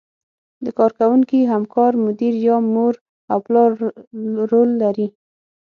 د کار کوونکي، همکار، مدیر یا مور او پلار رول لرو.